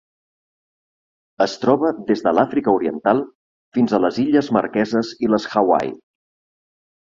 Es troba des de l'Àfrica Oriental fins a les Illes Marqueses i les Hawaii.